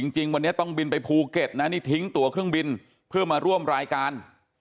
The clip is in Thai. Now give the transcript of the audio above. จริงวันนี้ต้องบินไปภูเก็ตนะนี่ทิ้งตัวเครื่องบินเพื่อมาร่วมรายการ